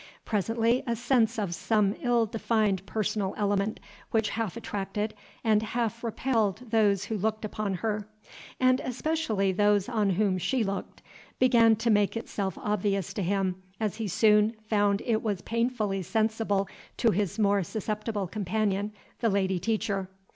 Presently a sense of some ill defined personal element, which half attracted and half repelled those who looked upon her, and especially those on whom she looked, began to make itself obvious to him, as he soon found it was painfully sensible to his more susceptible companion, the lady teacher.